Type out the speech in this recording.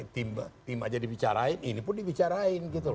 tim aja dibicarain ini pun dibicarain gitu loh